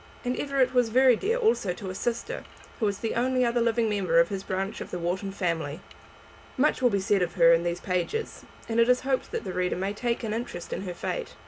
And Everett was very dear also to a sister, who was the only other living member of this branch of the Wharton family. Much will be said of her in these pages, and it is hoped that the reader may take an interest in her fate.